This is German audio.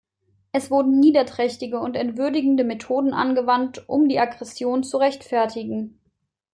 Es wurden niederträchtige und entwürdigende Methoden angewandt, um die Aggression zu rechtfertigen.